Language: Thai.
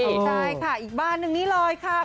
ใช่ค่ะอีกบ้านนึงนี่เลยค่ะ